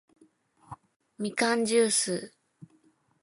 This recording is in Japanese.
みかんじゅーす